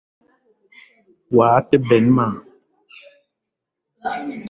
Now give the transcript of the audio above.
Woua te benn ma